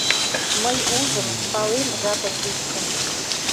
Мый ужым, палем жапын тӱсшым